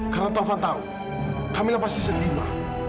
karena taufan tahu kamila pasti sendiri ma